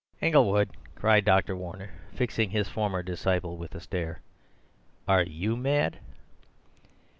"Inglewood!" cried Dr. Warner, fixing his former disciple with a stare, "are you mad?"